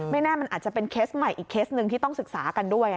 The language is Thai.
แน่มันอาจจะเป็นเคสใหม่อีกเคสหนึ่งที่ต้องศึกษากันด้วย